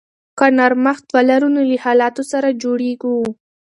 که نرمښت ولرو نو له حالاتو سره جوړیږو.